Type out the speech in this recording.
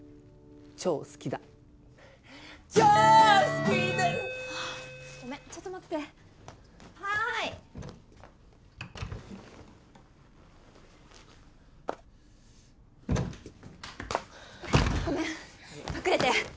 『超好きですごめんちょっと待っててごめん隠れて！